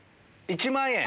１万円。